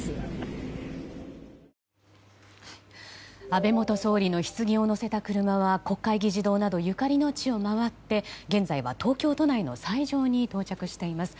安倍元総理のひつぎを乗せた車は国会議事堂などゆかりの地を回って現在は、東京都内の斎場に到着しています。